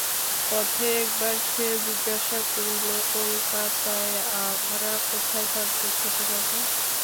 পথে একবার সে জিজ্ঞাসা করিল, কলকাতায় আমরা কোথায় থাকব ছোটবাবু?